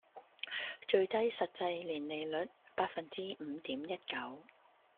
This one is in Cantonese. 最低實際年利率︰百分之五點一九